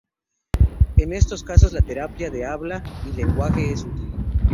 En estos casos, la terapia de habla y lenguaje es útil.